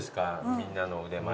みんなの腕前は。